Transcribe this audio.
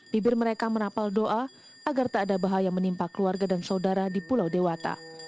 bibir mereka menapal doa agar tak ada bahaya menimpa keluarga dan saudara di pulau dewata